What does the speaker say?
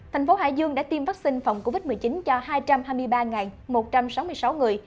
thành phố hải dương đã tiêm vaccine phòng covid một mươi chín cho hai trăm hai mươi ba một trăm sáu mươi sáu người